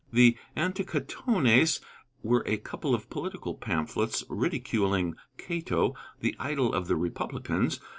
The 'Anticatones' were a couple of political pamphlets ridiculing Cato, the idol of the republicans.